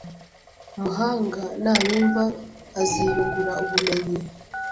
Umuhanga nayumva aziyungura ubumenyi